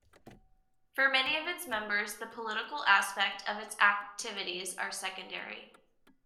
For many of its members the political aspect of its activities are secondary.